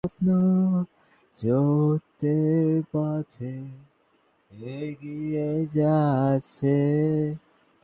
এতে আলাদা করে পরীক্ষা নিয়ে একটি দীর্ঘ নিয়োগপ্রক্রিয়া সম্পন্ন করতে হবে না।